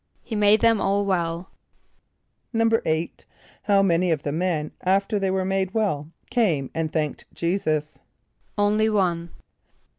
=He made them all well.= =8.= How many of the men after they were made well, came and thanked J[=e]´[s+]us? =Only one.